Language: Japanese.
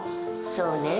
そうね。